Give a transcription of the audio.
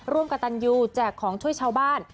ร่วมกับตันยูแจกของช่วยชาวบ้าน